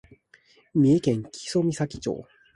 三重県木曽岬町